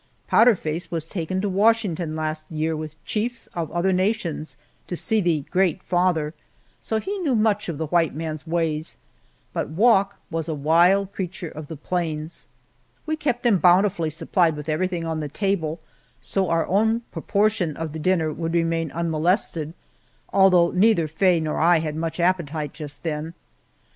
Powder Face was taken to Washington last year with chiefs of other nations to see the "Great Father," so he knew much of the white man's ways, but Wauk was a wild creature of the plains. We kept them bountifully supplied with everything on the table, so our own portion of the dinner would remain unmolested, although neither Faye nor I had much appetite just then.